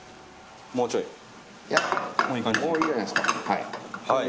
もうちょい？